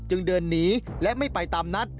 เดินหนีและไม่ไปตามนัด